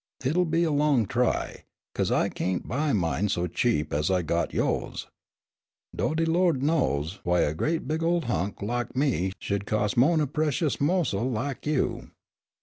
Hit'll be a long try, 'cause I can't buy mine so cheap as I got yo's, dough de Lawd knows why a great big ol' hunk lak me should cos' mo'n a precious mossell lak you."